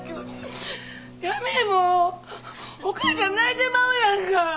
やめえもうお母ちゃん泣いてまうやんか。